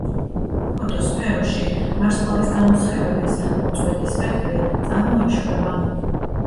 ფოტოსფეროში ვარსკვლავის გამოსხივების უწყვეტი სპექტრი წარმოიშვება.